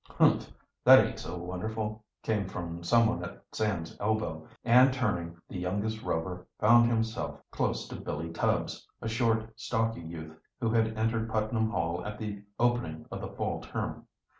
"Humph! that aint so wonderful," came from someone at Sam's elbow, and turning the youngest Rover found himself close to Billy Tubbs, a short, stocky youth who had entered Putnam Hall at the opening of the fall term.